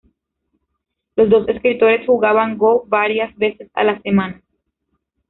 Los dos escritores jugaban go varias veces a la semana.